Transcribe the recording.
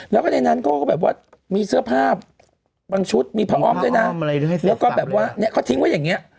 แล้วก็ในนั้นเขาก็แบบว่ามีเสื้อผ้าบางชุดมีพระอ้อมด้วยนะแล้วก็แบบว่าเนี่ยเขาทิ้งไว้อย่างนี้